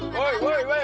wah enak banget ini